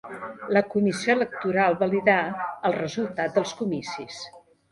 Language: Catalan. La comissió electoral validà el resultat dels comicis.